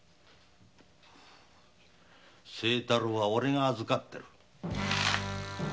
清太郎はおれが預かっている。